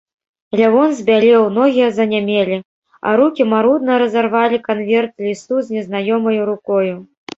Лявон збялеў, ногі занямелі, а рукі марудна разарвалі канверт лісту з незнаёмаю рукою.